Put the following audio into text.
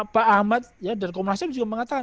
pak ahmad dan komnasya juga mengatakan